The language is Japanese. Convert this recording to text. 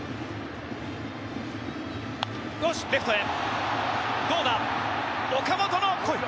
レフトへ。